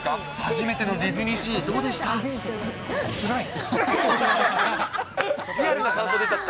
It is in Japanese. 初めてのディズニーシー、どうでつらい。